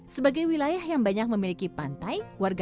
sebagai wilayah yang banyak memiliki pantai